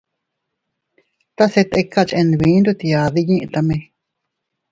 Tase tika chenbit ndutyadi yitame.